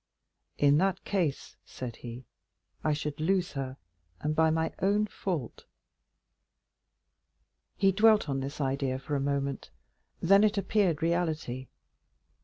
"In that case," said he, "I should lose her, and by my own fault." He dwelt on this idea for a moment, then it appeared reality.